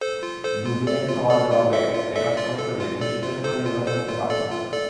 দুদিনের সওয়াল জবাবে এটা স্পষ্ট যে ঘোষিত সময়ে নির্বাচন হতে পারছে না।